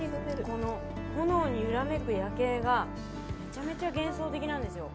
この炎に揺らめく夜景がめちゃめちゃ幻想的なんですよ。